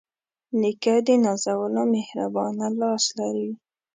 نیکه د نازولو مهربانه لاس لري.